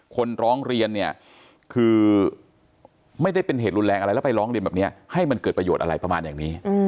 คนร้องเรียนเนี่ยคือไม่ได้เป็นเหตุรุนแรงอะไรแล้วไปร้องเรียนแบบนี้ให้มันเกิดประโยชน์อะไรประมาณอย่างนี้